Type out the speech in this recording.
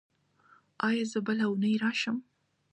ایا زه بله اونۍ راشم؟